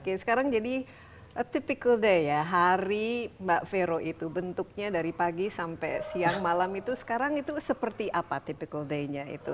oke sekarang jadi tipikal day ya hari mbak vero itu bentuknya dari pagi sampai siang malam itu sekarang itu seperti apa tipikal day nya itu